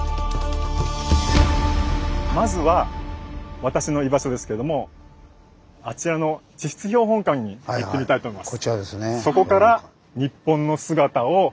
まずは私の居場所ですけどもあちらの地質標本館に行ってみたいと思います。